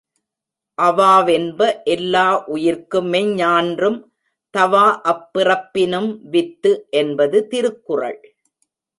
அவாவென்ப எல்லா உயிர்க்குமெஞ் ஞான்றும் தவாஅப் பிறப்பினும் வித்து என்பது திருக்குறள்.